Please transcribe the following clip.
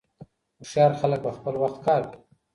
هوښیار خلګ په خپل وخت کار کوي.